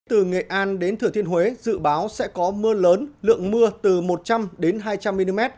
từ nghệ an đến thừa thiên huế dự báo sẽ có mưa lớn lượng mưa từ một trăm linh đến hai trăm linh mm